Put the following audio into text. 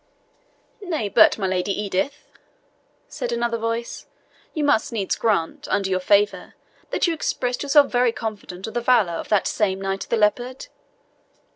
"Nay, but, my Lady Edith," said another voice, "you must needs grant, under your favour, that you expressed yourself very confident of the valour of that same Knight of the Leopard."